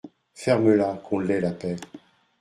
Ferme-la, que l’on ait la paix !